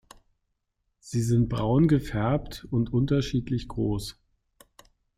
Sie sind braun gefärbt und unterschiedlich groß.